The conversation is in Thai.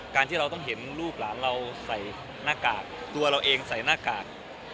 การที่เราต้องเห็นลูกหลานเราใส่หน้ากากตัวเราเองใส่หน้ากาก